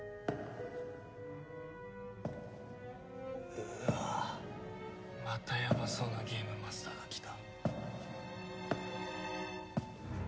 うわあまたやばそうなゲームマスターが来た。